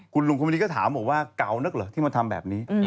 คุณลุงคนนี้ก็ถามบอกว่าเก่านึกเหรอที่มาทำแบบนี้